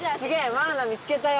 マウナ見つけたよ！